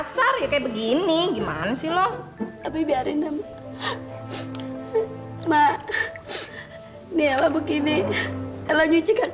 sampai jumpa di video selanjutnya